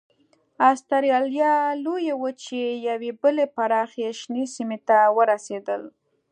اسټرالیا لویې وچې یوې بلې پراخې شنې سیمې ته ورسېدل.